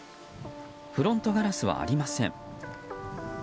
フロントガラスはありません。